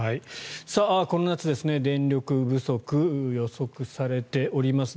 この夏、電力不足が予測されております。